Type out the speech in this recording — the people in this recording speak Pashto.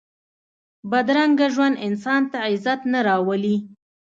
بدرنګه ژوند انسان ته عزت نه راولي